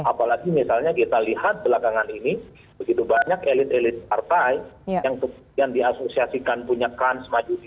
apalagi misalnya kita lihat belakangan ini begitu banyak elit elit partai yang diasosiasikan punya kans maju di dua ribu dua puluh empat